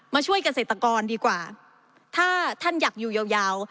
ช่วยเกษตรกรดีกว่าถ้าท่านอยากอยู่ยาวยาว